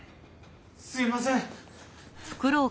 すみません。